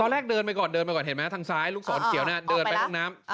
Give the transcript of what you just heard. แรกเดินไปก่อนเดินไปก่อนเห็นไหมทางซ้ายลูกศรเขียวน่ะเดินไปห้องน้ำ